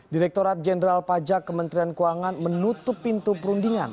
direkturat jenderal pajak kementerian keuangan menutup pintu perundingan